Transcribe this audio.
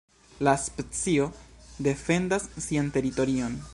La specio defendas sian teritorion.